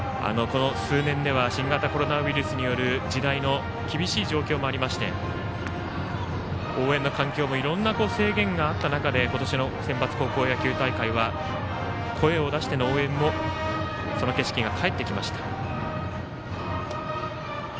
この数年では新型コロナウイルスによる時代の厳しい状況もありまして応援の環境もいろんな制限があった中で今年のセンバツ高校野球大会は声を出しての応援のその景色が帰ってきました。